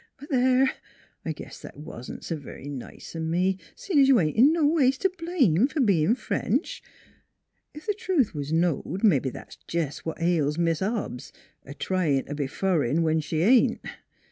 ... But there! I guess that wa'n't s' very nice o' me seein' you ain't in no ways t' blame f'r bein' French. ... Ef th' truth was knowed, mebbe that's jest what ails Mis' Hobbs : a tryin' t' be fur'n when she ain't.